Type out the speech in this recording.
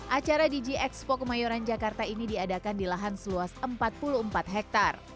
acara dj expo kemayoran jakarta ini diadakan di lahan seluas empat puluh empat hektare